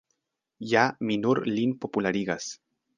Ja mi nur lin popularigas.